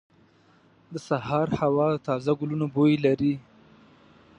• د سهار هوا د تازه ګلونو بوی لري.